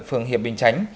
phường hiệp bình chánh